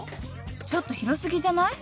ちょっと広すぎじゃない？